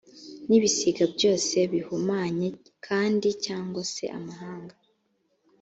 n ibisiga byose bihumanye kandi byangwa c amahanga